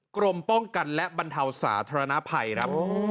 กรมป้องกันและบรรเทาสาธารณภัยครับ